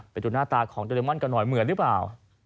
ไปดูหน้าตาของโดเรมอนกันหน่อยเหมือนหรือเปล่า